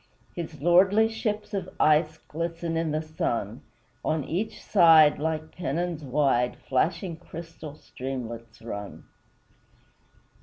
His lordly ships of ice Glisten in the sun; On each side, like pennons wide, Flashing crystal streamlets run.